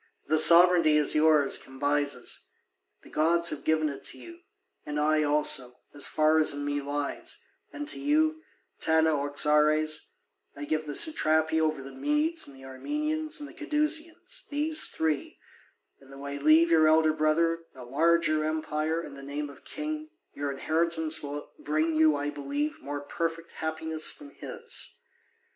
The sovereignty is yours, Cambyses; the gods have given it to you, and I also, as far as in me lies; and to you, Tanaoxares, I give the satrapy over the Medes and the Armenians and the Cadousians, these three; and though I leave your elder brother a larger empire and the name of king, your inheritance will bring you, I believe, more perfect happiness than his.